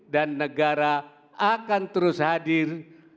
dan negara akan terus hadir